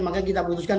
maka kita memutuskan